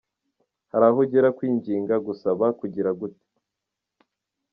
Hari aho ugera kwinginga, gusaba, kugira gute….